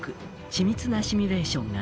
「緻密なシミュレーションが」